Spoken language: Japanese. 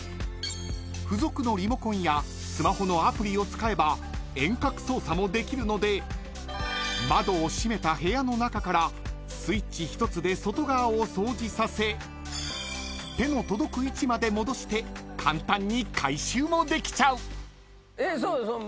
［付属のリモコンやスマホのアプリを使えば遠隔操作もできるので窓を閉めた部屋の中からスイッチ１つで外側を掃除させ手の届く位置まで戻して簡単に回収もできちゃう］